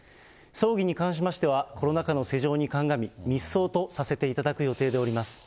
葬儀に関しましては、コロナ禍の世情に鑑み、密葬とさせていただく予定でおります。